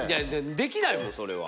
できないもんそれは。